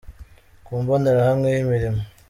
ku mbonerahamwe y’imirimo.